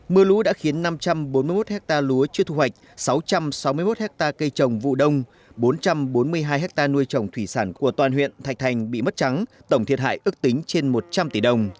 mưa lũ đã khiến năm trăm bốn mươi một hectare lúa chưa thu hoạch sáu trăm sáu mươi một hectare cây trồng vụ đông bốn trăm bốn mươi hai hectare nuôi trồng thủy sản của toàn huyện thạch thành bị mất trắng tổng thiệt hại ước tính trên một trăm linh tỷ đồng